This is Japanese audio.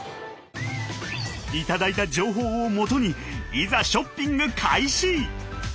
頂いた情報をもとにいざショッピング開始！